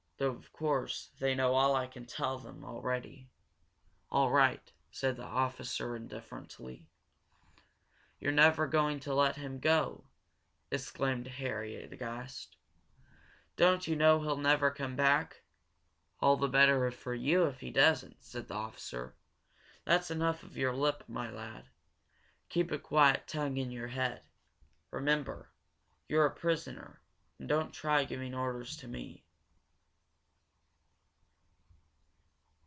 Though, of course, they know all I can tell them already." "All right," said the officer, indifferently. "You're never going to let him go!" exclaimed Harry, aghast. "Don't you know he'll never come back?" "All the better for you, if he doesn't," said the officer. "That's enough of your lip, my lad. Keep a quiet tongue in your head. Remember you're a prisoner, and don't try giving orders to me."